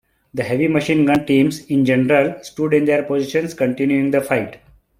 The heavy machine gun teams, in general, stood in their positions continuing the fight.